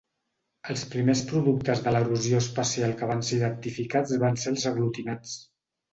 Els primers productes de l'erosió espacial que van ser identificats van ser els aglutinats.